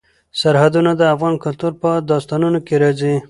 سرحدونه د افغان کلتور په داستانونو کې راځي.